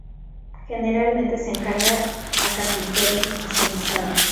Generalmente se encarga a carpinteros especializados.